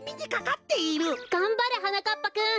がんばれはなかっぱくん！